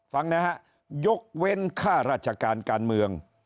ฟังนะฮะยกเว้นค่าราชการการเมือง